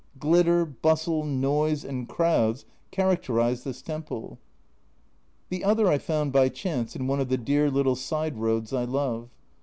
Glitter, bustle, noise, and crowds characterise this temple. The other I found by chance in one of the dear little side roads I love.